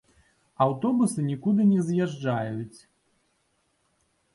Аўтобусы нікуды не з'язджаюць.